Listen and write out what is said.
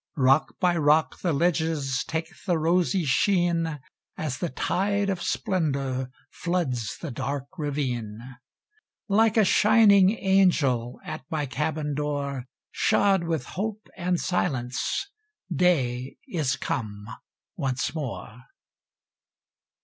Rock by rock the ledges Take the rosy sheen, As the tide of splendor Floods the dark ravine. Like a shining angel At my cabin door, Shod with hope and silence, Day is come once more.